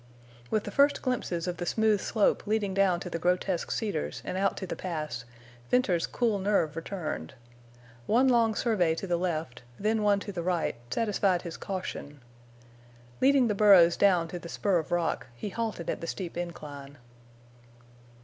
With the first glimpses of the smooth slope leading down to the grotesque cedars and out to the Pass, Venters's cool nerve returned. One long survey to the left, then one to the right, satisfied his caution. Leading the burros down to the spur of rock, he halted at the steep incline.